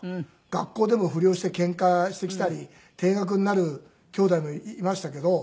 学校でも不良してケンカしてきたり停学になるきょうだいもいましたけど。